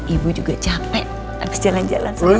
ibu juga capek habis jalan jalan sama teman ibu